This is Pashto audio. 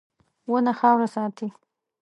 • ونه خاوره ساتي.